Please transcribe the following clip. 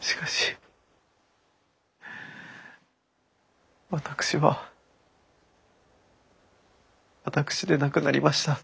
しかし私は私でなくなりました。